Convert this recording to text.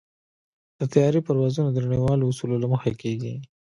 د طیارې پروازونه د نړیوالو اصولو له مخې کېږي.